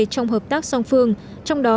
trong hợp tác song phương trong đó